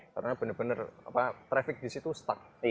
karena benar benar traffic di situ stuck